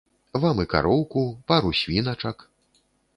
Вам і кароўку, пару свіначак.